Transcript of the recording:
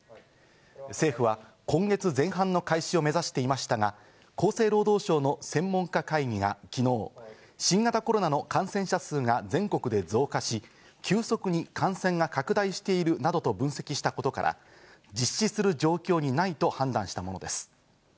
政府は今月前半の開始を目指していましたが、厚生労働省の専門家会議が昨日、新型コロナの感染者数が全国で増加し、急速に感染が拡大しているなどと分析したことから、実施する状況にないと判断したものです。